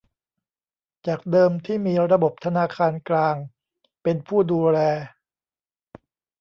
จากเดิมที่มีระบบธนาคารกลางเป็นผู้ดูแล